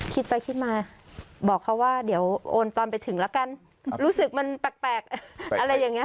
คิดไปคิดมาบอกเขาว่าเดี๋ยวโอนตอนไปถึงละกันรู้สึกมันแปลกอะไรอย่างเงี้